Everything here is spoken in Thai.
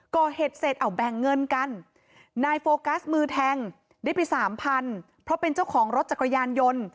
ก่อเหตุเสร็จเอาแบ่งเงินกันนายโฟกัสมือแทงได้ไปสามพันเพราะเป็นเจ้าของรถจักรยานยนต์